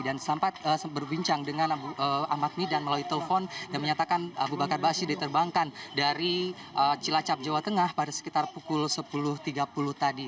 dan sempat berbincang dengan ahmad midan melalui telepon dan menyatakan aba bakar aba asyir diterbangkan dari cilacap jawa tengah pada sekitar pukul sepuluh tiga puluh tadi